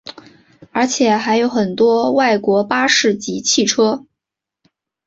而且还有很多外国巴士及汽车。